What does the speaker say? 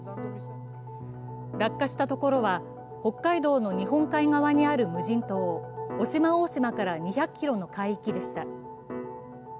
落下したところは、北海道の日本海側にある無人島渡島大島から２００ｋｍの海域でした。